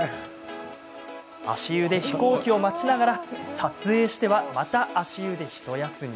足湯で飛行機を待ちながら撮影しては、また足湯でひと休み。